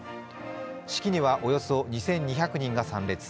式にはおよそ２２００人が参列。